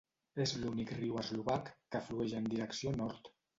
És l'únic riu eslovac que flueix en direcció nord.